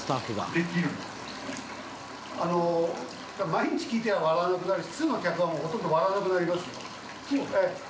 毎日聞いては笑わなくなるしツウのお客はほとんど笑わなくなりますよ。